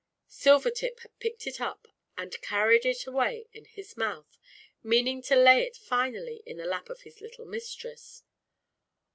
Silvertip had picked it up and carried it away in his mouth, meaning to lay it finally in the lap of his little mistress.